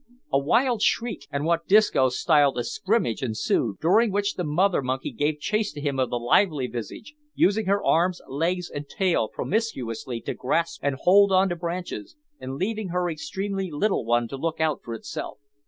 A wild shriek, and what Disco styled a "scrimmage," ensued, during which the mother monkey gave chase to him of the lively visage, using her arms, legs, and tail promiscuously to grasp and hold on to branches, and leaving her extremely little one to look out for itself.